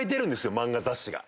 漫画雑誌が。